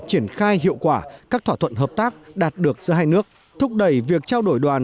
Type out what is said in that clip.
triển khai hiệu quả các thỏa thuận hợp tác đạt được giữa hai nước thúc đẩy việc trao đổi đoàn